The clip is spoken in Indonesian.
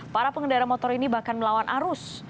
para pengendara motor ini bahkan melawan arus